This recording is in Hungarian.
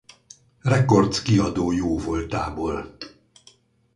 Records kiadó jóvoltából.